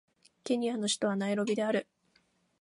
ケニアの首都はナイロビである